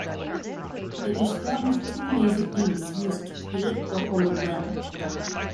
It is one of two laser beams used to create a hologram.